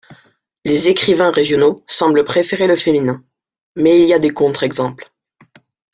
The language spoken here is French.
Les écrivains régionaux semblent préférer le féminin, mais il y a des contre-exemples.